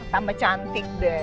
tambah cantik deh